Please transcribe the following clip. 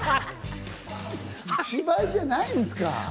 芝居じゃないんですか？